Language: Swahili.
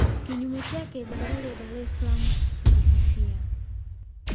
Kinyume chake bandari ya Dar es Salaam ilifikiwa